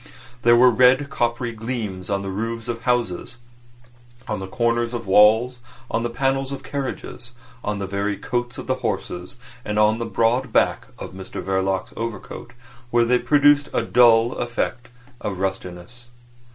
There were red, coppery gleams on the roofs of houses, on the corners of walls, on the panels of carriages, on the very coats of the horses, and on the broad back of Mr Verloc's overcoat, where they produced a dull effect of rustiness.